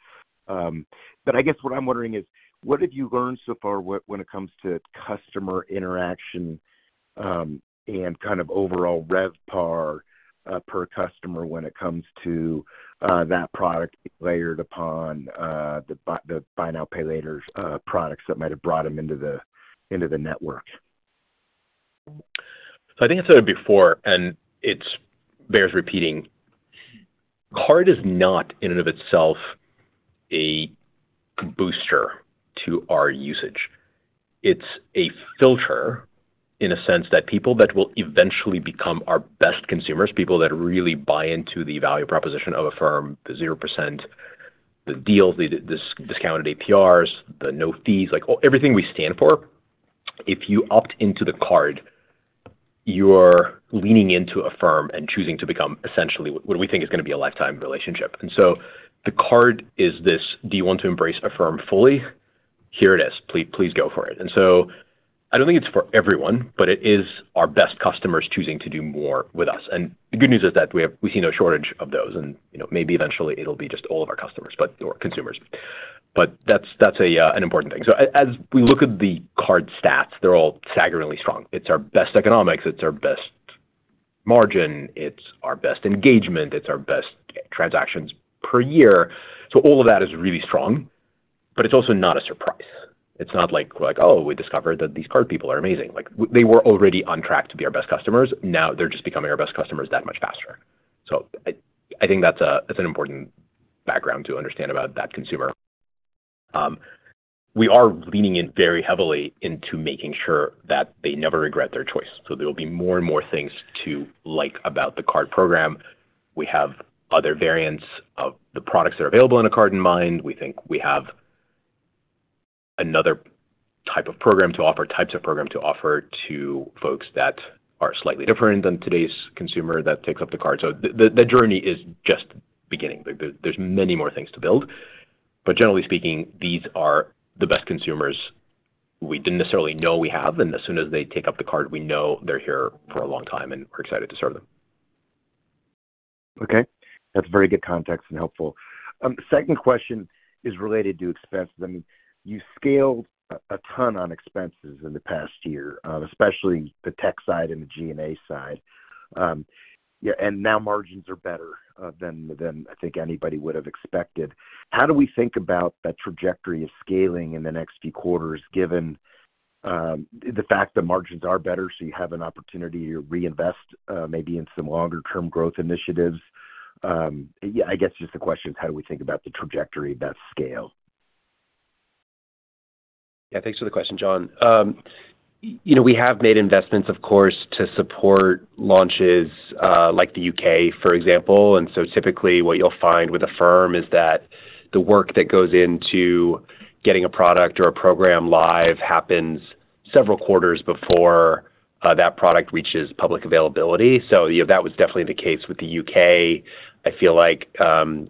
I guess what I'm wondering is, what have you learned so far when it comes to customer interaction and kind of overall rev par per customer when it comes to that product layered upon the buy now, pay later products that might have brought them into the network?
So I think I said it before, and it bears repeating. Card is not in and of itself a booster to our usage. It's a filter in a sense that people that will eventually become our best consumers, people that really buy into the value proposition of Affirm, the 0%, the deals, the discounted APRs, the no fees, everything we stand for. If you opt into the card, you're leaning into Affirm and choosing to become essentially what we think is going to be a lifetime relationship. And so the card is this, do you want to embrace Affirm fully? Here it is. Please go for it. And so I don't think it's for everyone, but it is our best customers choosing to do more with us. And the good news is that we see no shortage of those. Maybe eventually it'll be just all of our customers or consumers. That's an important thing. As we look at the card stats, they're all staggeringly strong. It's our best economics. It's our best margin. It's our best engagement. It's our best transactions per year. All of that is really strong, but it's also not a surprise. It's not like, Oh, we discovered that these card people are amazing. They were already on track to be our best customers. Now they're just becoming our best customers that much faster. I think that's an important background to understand about that consumer. We are leaning in very heavily into making sure that they never regret their choice. There will be more and more things to like about the card program. We have other variants of the products that are available in a card in mind. We think we have another type of program to offer to folks that are slightly different than today's consumer that takes up the card. So the journey is just beginning. There's many more things to build. But generally speaking, these are the best consumers we didn't necessarily know we have. And as soon as they take up the card, we know they're here for a long time and we're excited to serve them.
Okay. That's very good context and helpful. Second question is related to expenses. I mean, you scaled a ton on expenses in the past year, especially the tech side and the G&A side. And now margins are better than I think anybody would have expected. How do we think about that trajectory of scaling in the next few quarters given the fact that margins are better, so you have an opportunity to reinvest maybe in some longer-term growth initiatives? Yeah, I guess just the question is, how do we think about the trajectory of that scale?
Yeah. Thanks for the question, John. We have made investments, of course, to support launches like the UK, for example, and so typically what you'll find with Affirm is that the work that goes into getting a product or a program live happens several quarters before that product reaches public availability, so that was definitely the case with the UK. I feel like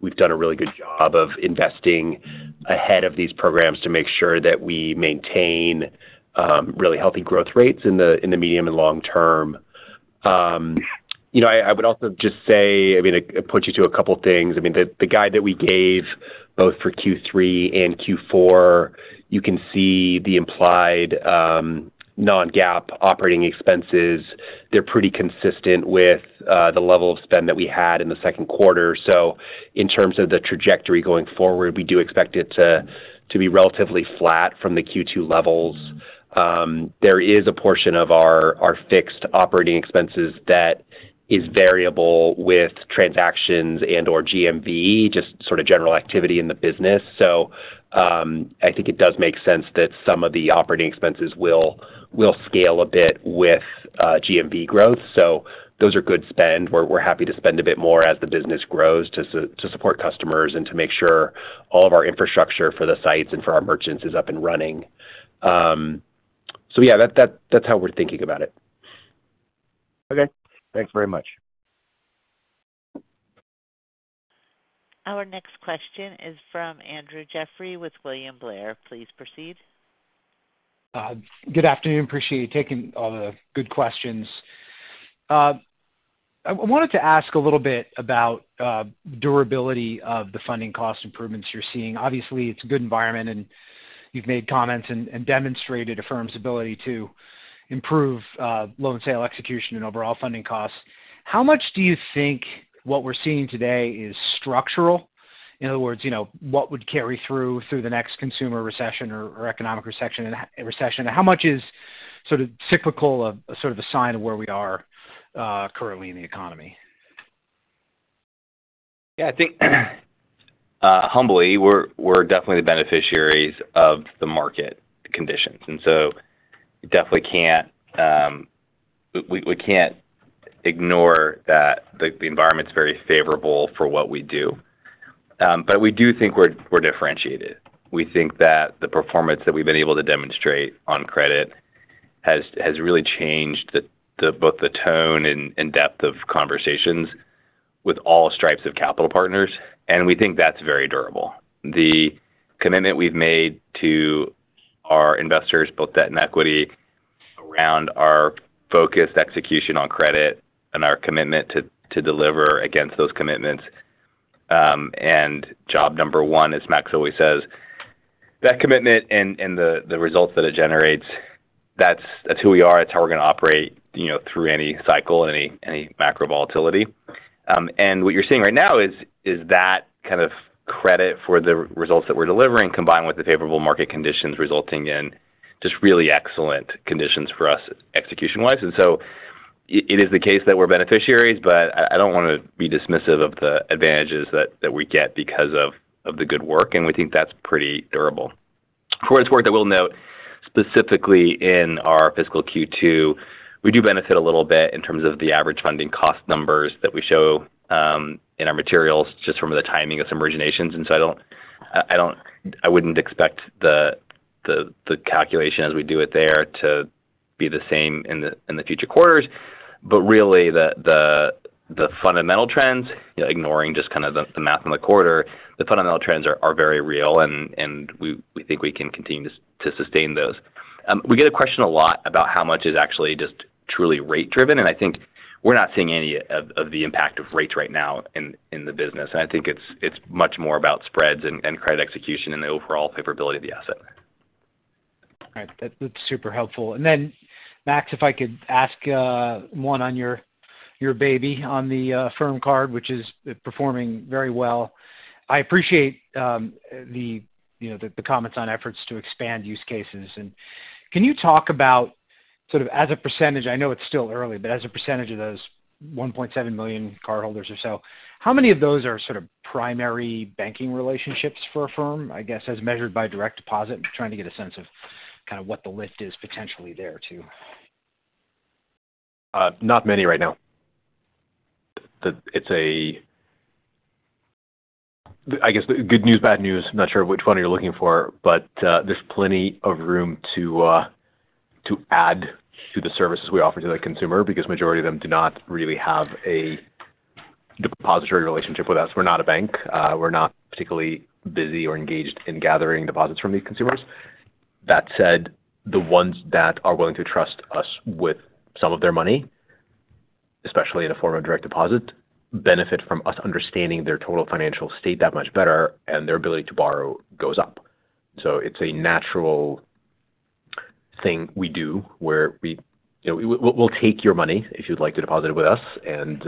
we've done a really good job of investing ahead of these programs to make sure that we maintain really healthy growth rates in the medium and long term. I would also just say, I mean, I point you to a couple of things. I mean, the guide that we gave both for Q3 and Q4, you can see the implied non-GAAP operating expenses. They're pretty consistent with the level of spend that we had in the second quarter. So in terms of the trajectory going forward, we do expect it to be relatively flat from the Q2 levels. There is a portion of our fixed operating expenses that is variable with transactions and/or GMV, just sort of general activity in the business. So I think it does make sense that some of the operating expenses will scale a bit with GMV growth. So those are good spend. We're happy to spend a bit more as the business grows to support customers and to make sure all of our infrastructure for the sites and for our merchants is up and running. So yeah, that's how we're thinking about it.
Okay. Thanks very much.
Our next question is from Andrew Jeffrey with William Blair. Please proceed.
Good afternoon. Appreciate you taking all the good questions. I wanted to ask a little bit about durability of the funding cost improvements you're seeing. Obviously, it's a good environment, and you've made comments and demonstrated Affirm's ability to improve loan sale execution and overall funding costs. How much do you think what we're seeing today is structural? In other words, what would carry through the next consumer recession or economic recession? How much is sort of cyclical, a sort of a sign of where we are currently in the economy?
Yeah. I think humbly, we're definitely the beneficiaries of the market conditions. And so we definitely can't ignore that the environment's very favorable for what we do. But we do think we're differentiated. We think that the performance that we've been able to demonstrate on credit has really changed both the tone and depth of conversations with all stripes of capital partners. And we think that's very durable. The commitment we've made to our investors, both debt and equity, around our focused execution on credit and our commitment to deliver against those commitments. And job number one, as Max always says, that commitment and the results that it generates, that's who we are. That's how we're going to operate through any cycle, any macro volatility. And what you're seeing right now is that kind of credit for the results that we're delivering, combined with the favorable market conditions, resulting in just really excellent conditions for us execution-wise. And so it is the case that we're beneficiaries, but I don't want to be dismissive of the advantages that we get because of the good work. And we think that's pretty durable. For its work, I will note specifically in our fiscal Q2, we do benefit a little bit in terms of the average funding cost numbers that we show in our materials just from the timing of some originations. And so I wouldn't expect the calculation as we do it there to be the same in the future quarters. But really, the fundamental trends, ignoring just kind of the math in the quarter, the fundamental trends are very real, and we think we can continue to sustain those. We get a question a lot about how much is actually just truly rate-driven. And I think we're not seeing any of the impact of rates right now in the business. And I think it's much more about spreads and credit execution and the overall favorability of the asset.
All right. That's super helpful. And then, Max, if I could ask one on your baby on the Affirm Card, which is performing very well. I appreciate the comments on efforts to expand use cases. And can you talk about sort of as a percentage? I know it's still early, but as a percentage of those 1.7 million cardholders or so, how many of those are sort of primary banking relationships for Affirm, I guess, as measured by direct deposit? I'm trying to get a sense of kind of what the lift is potentially there too.
Not many right now. I guess good news, bad news. I'm not sure which one you're looking for, but there's plenty of room to add to the services we offer to the consumer because the majority of them do not really have a depository relationship with us. We're not a bank. We're not particularly busy or engaged in gathering deposits from these consumers. That said, the ones that are willing to trust us with some of their money, especially in the form of direct deposit, benefit from us understanding their total financial state that much better, and their ability to borrow goes up. So it's a natural thing we do where we'll take your money if you'd like to deposit it with us, and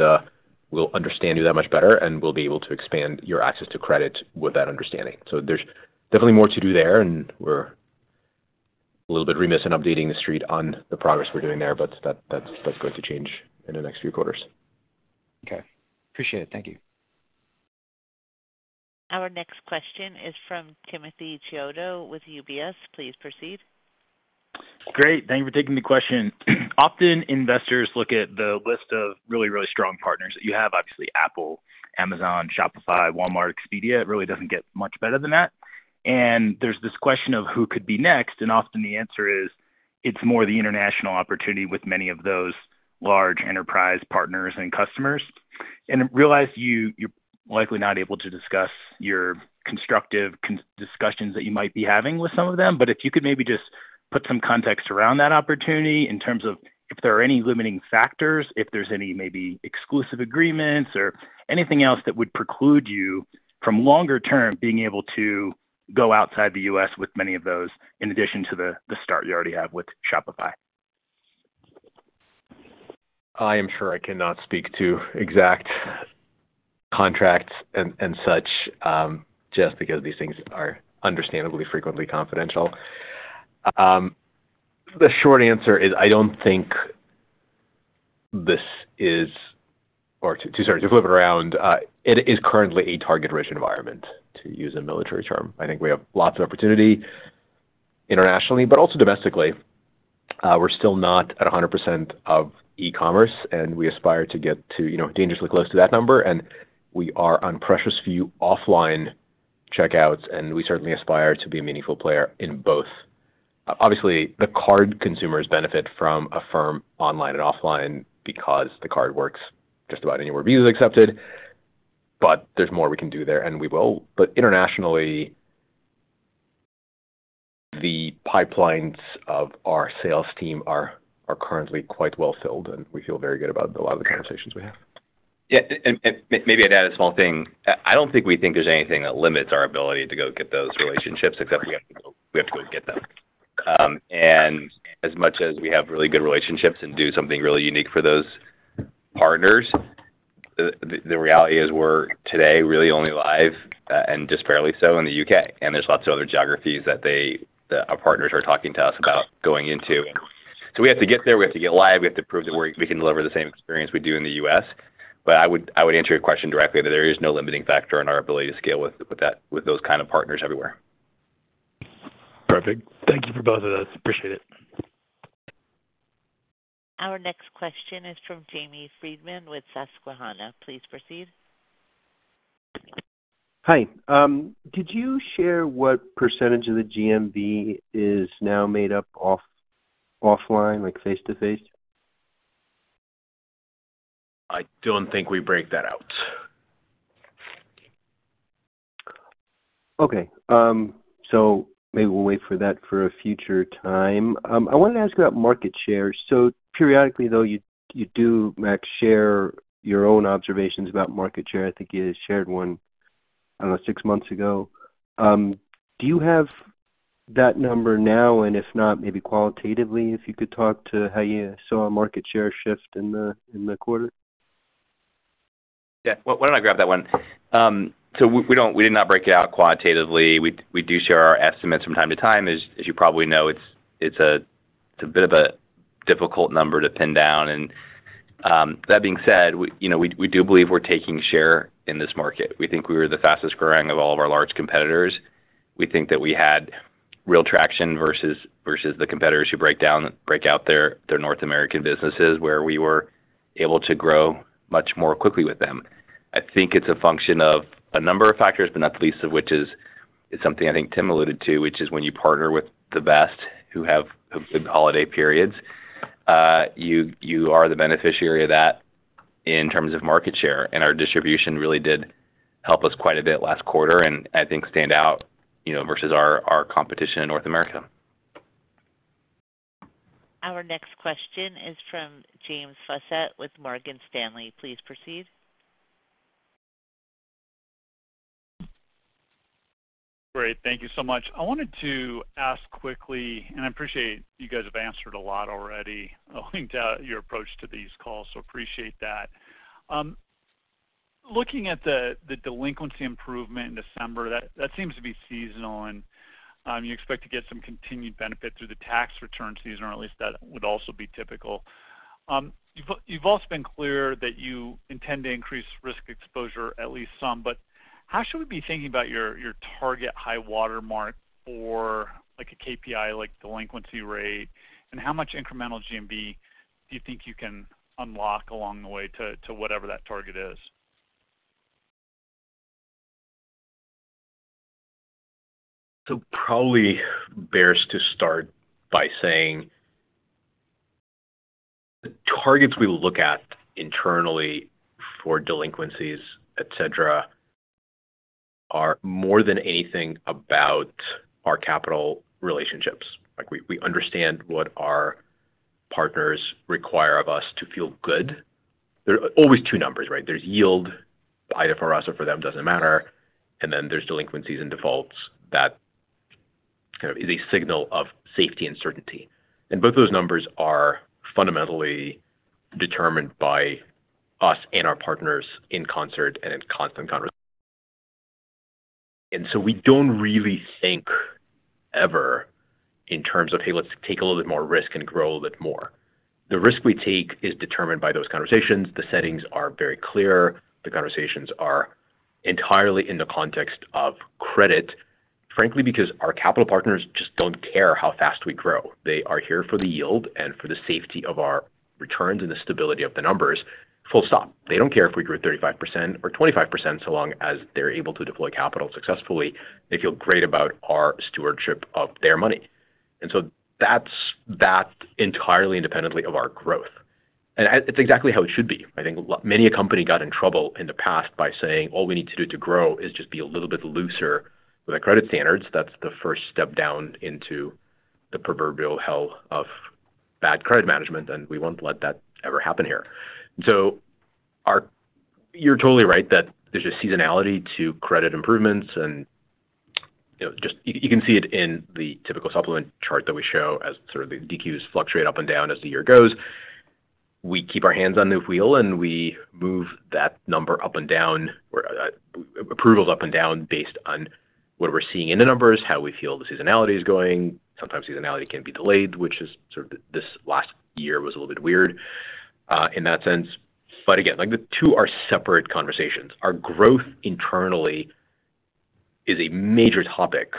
we'll understand you that much better, and we'll be able to expand your access to credit with that understanding. So there's definitely more to do there, and we're a little bit remiss in updating the street on the progress we're doing there, but that's going to change in the next few quarters.
Okay. Appreciate it. Thank you.
Our next question is from Timothy Chiodo with UBS. Please proceed.
Great. Thank you for taking the question. Often investors look at the list of really, really strong partners that you have, obviously Apple, Amazon, Shopify, Walmart, Expedia. It really doesn't get much better than that. And there's this question of who could be next. And often the answer is it's more the international opportunity with many of those large enterprise partners and customers. And realize you're likely not able to discuss your constructive discussions that you might be having with some of them. But if you could maybe just put some context around that opportunity in terms of if there are any limiting factors, if there's any maybe exclusive agreements or anything else that would preclude you from longer term being able to go outside the U.S. with many of those in addition to the start you already have with Shopify.
I am sure I cannot speak to exact contracts and such just because these things are understandably frequently confidential. The short answer is, to flip it around, it is currently a target-rich environment, to use a military term. I think we have lots of opportunity internationally, but also domestically. We're still not at 100% of e-commerce, and we aspire to get to dangerously close to that number. We are on precious few offline checkouts, and we certainly aspire to be a meaningful player in both. Obviously, the card consumers benefit from Affirm online and offline because the card works just about anywhere Visa is accepted. There's more we can do there, and we will. Internationally, the pipelines of our sales team are currently quite well filled, and we feel very good about a lot of the conversations we have.
Yeah. Maybe I'd add a small thing. I don't think we think there's anything that limits our ability to go get those relationships except we have to go get them, and as much as we have really good relationships and do something really unique for those partners, the reality is we're today really only live and disparately so in the U.K., and there's lots of other geographies that our partners are talking to us about going into, so we have to get there. We have to get live. We have to prove that we can deliver the same experience we do in the U.S., but I would answer your question directly that there is no limiting factor in our ability to scale with those kind of partners everywhere.
Perfect. Thank you for both of those. Appreciate it.
Our next question is from Jamie Friedman with Susquehanna. Please proceed.
Hi. Did you share what percentage of the GMV is now made up offline, like face-to-face?
I don't think we break that out.
Okay. So maybe we'll wait for that for a future time. I wanted to ask about market share. So periodically, though, you do, Max, share your own observations about market share. I think you shared one, I don't know, six months ago. Do you have that number now? And if not, maybe qualitatively, if you could talk to how you saw a market share shift in the quarter?
Yeah. Why don't I grab that one? So we did not break it out quantitatively. We do share our estimates from time to time. As you probably know, it's a bit of a difficult number to pin down. And that being said, we do believe we're taking share in this market. We think we were the fastest growing of all of our large competitors. We think that we had real traction versus the competitors who break out their North American businesses where we were able to grow much more quickly with them. I think it's a function of a number of factors, but not the least of which is something I think Tim alluded to, which is when you partner with the best who have good holiday periods, you are the beneficiary of that in terms of market share. Our distribution really did help us quite a bit last quarter and I think stand out versus our competition in North America.
Our next question is from James Faucette with Morgan Stanley. Please proceed.
Great. Thank you so much. I wanted to ask quickly, and I appreciate you guys have answered a lot already linked to your approach to these calls. So appreciate that. Looking at the delinquency improvement in December, that seems to be seasonal, and you expect to get some continued benefit through the tax return season, or at least that would also be typical. You've also been clear that you intend to increase risk exposure, at least some. But how should we be thinking about your target high watermark for a KPI like delinquency rate? And how much incremental GMV do you think you can unlock along the way to whatever that target is?
Probably best to start by saying the targets we look at internally for delinquencies, etc., are more than anything about our capital relationships. We understand what our partners require of us to feel good. There are always two numbers, right? There's yield either for us or for them, doesn't matter. And then there's delinquencies and defaults that kind of is a signal of safety and certainty. And both of those numbers are fundamentally determined by us and our partners in concert and in constant conversation. We don't really think ever in terms of, hey, let's take a little bit more risk and grow a little bit more. The risk we take is determined by those conversations. The settings are very clear. The conversations are entirely in the context of credit, frankly, because our capital partners just don't care how fast we grow. They are here for the yield and for the safety of our returns and the stability of the numbers. Full stop. They don't care if we grew 35% or 25% so long as they're able to deploy capital successfully. They feel great about our stewardship of their money. And so that's entirely independently of our growth. And it's exactly how it should be. I think many a company got in trouble in the past by saying, All we need to do to grow is just be a little bit looser with our credit standards. That's the first step down into the proverbial hell of bad credit management, and we won't let that ever happen here. And so you're totally right that there's a seasonality to credit improvements. You can see it in the typical supplement chart that we show as sort of the DQs fluctuate up and down as the year goes. We keep our hands on the wheel, and we move that number up and down, approvals up and down based on what we're seeing in the numbers, how we feel the seasonality is going. Sometimes seasonality can be delayed, which is sort of this last year was a little bit weird in that sense. But again, the two are separate conversations. Our growth internally is a major topic,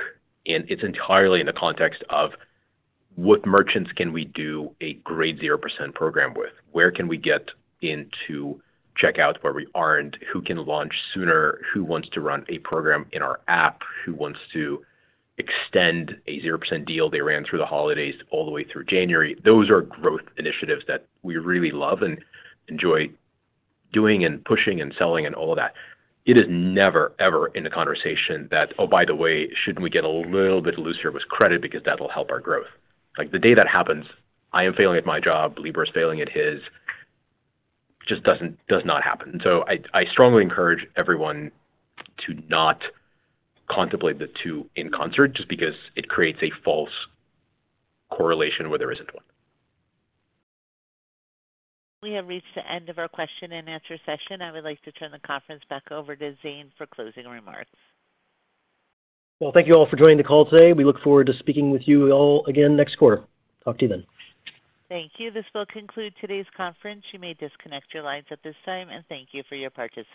and it's entirely in the context of what merchants can we do a great 0% program with? Where can we get into checkouts where we aren't? Who can launch sooner? Who wants to run a program in our app? Who wants to extend a 0% deal they ran through the holidays all the way through January? Those are growth initiatives that we really love and enjoy doing and pushing and selling and all of that. It is never, ever in the conversation that, Oh, by the way, shouldn't we get a little bit looser with credit because that'll help our growth? The day that happens, I am failing at my job, Libor is failing at his, just does not happen. And so I strongly encourage everyone to not contemplate the two in concert just because it creates a false correlation where there isn't one.
We have reached the end of our question and answer session. I would like to turn the conference back over to Zane for closing remarks.
Thank you all for joining the call today. We look forward to speaking with you all again next quarter. Talk to you then.
Thank you. This will conclude today's conference. You may disconnect your lines at this time, and thank you for your participation.